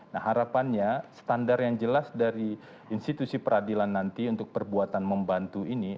nah harapannya standar yang jelas dari institusi peradilan nanti untuk perbuatan membantu ini